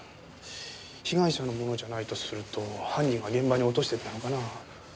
被害者のものじゃないとすると犯人が現場に落としていったのかな？